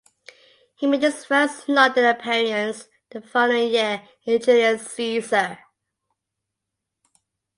He made his first London appearance the following year in "Julius Caesar".